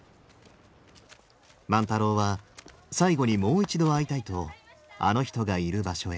万太郎は最後にもう一度会いたいとあの人がいる場所へ。